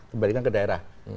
kembalikan ke daerah